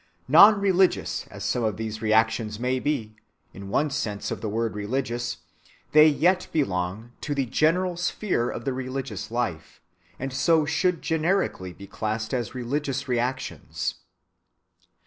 Non‐religious as some of these reactions may be, in one sense of the word "religious," they yet belong to the general sphere of the religious life, and so should generically be classed as religious reactions.